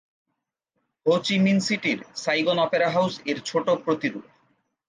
হো Chi Minh সিটির Saigon opera house এর ছোট প্রতিরূপ।